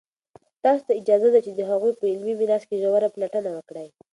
تاسو ته اجازه ده چې د هغوی په علمي میراث کې ژوره پلټنه وکړئ.